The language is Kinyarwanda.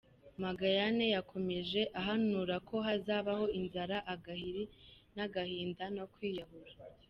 Magayane yakomeje ahanura ko hazabaho inzara, agahiri n’agahinda no kwiyahura.